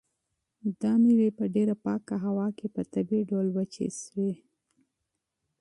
دا مېوې په ډېره پاکه هوا کې په طبیعي ډول وچې شوي.